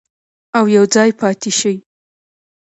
او یوځای پاتې شي.